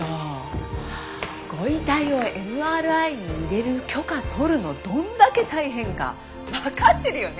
ご遺体をＭＲＩに入れる許可取るのどんだけ大変かわかってるよね？